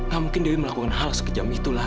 gak mungkin dewi melakukan hal sekejam itulah